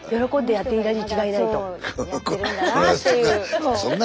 やってるんだなっていう。